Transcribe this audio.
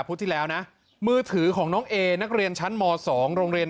ที่แล้วนะมือถือของน้องเอนักเรียนชั้นม๒โรงเรียน